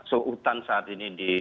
so hutan saat ini di